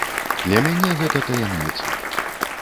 Для мяне гэта таямніца.